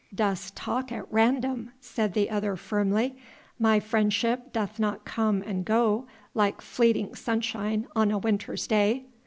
"Dost talk at random," said the other firmly; "my friendship doth not come and go like fleeting sunshine on a winter's day.